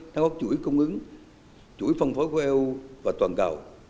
theo các chuỗi công ứng chuỗi phong phối của eu và toàn cầu